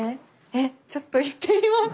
えちょっと行ってみます。